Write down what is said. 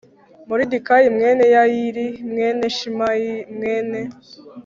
Moridekayi mwene Yayiri mwene Shimeyi mwene